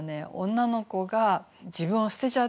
女の子が自分を捨てちゃったんですね。